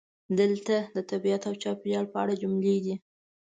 دلته د "طبیعت او چاپیریال" په اړه جملې دي: